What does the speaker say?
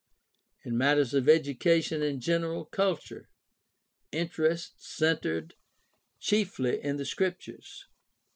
In matters of education and general culture, interest centered chiefly in the Scriptures.